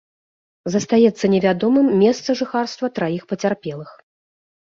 Застаецца невядомым месца жыхарства траіх пацярпелых.